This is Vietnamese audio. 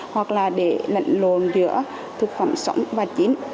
hoặc là để lệnh lồn giữa thực phẩm sống và chín